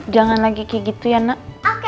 jangan lagi kayak gitu ya nak